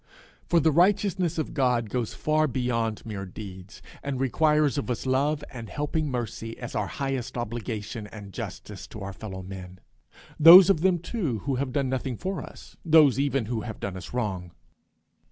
For the righteousness of God goes far beyond mere deeds, and requires of us love and helping mercy as our highest obligation and justice to our fellow men those of them too who have done nothing for us, those even who have done us wrong.